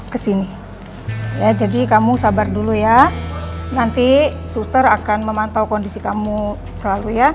ke sini ya jadi kamu sabar dulu ya nanti suster akan memantau kondisi kamu selalu ya dan kamu bisa menerima rumah sakit ya